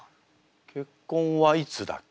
結婚はいつだっけ？